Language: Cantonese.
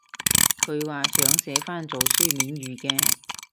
佢話想寫返做書面語嘅？